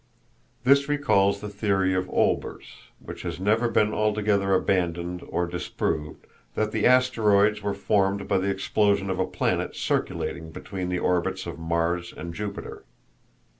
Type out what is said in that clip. This recalls the theory of Olbers, which has never been altogether abandoned or disproved, that the Asteroids were formed by the explosion of a planet circulating between the orbits of Mars and Jupiter.